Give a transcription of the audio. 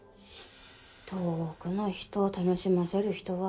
遠くの人を楽しませる人は